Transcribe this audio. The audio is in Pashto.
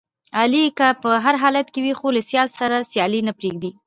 علي که په هر حالت وي، خو له سیال سره سیالي نه پرېږدي.